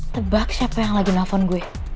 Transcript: tebak siapa yang lagi nelfon gue